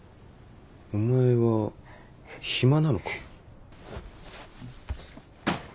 お前は暇なのか？